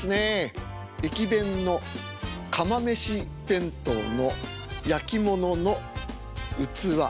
駅弁の釜めし弁当の焼き物の器。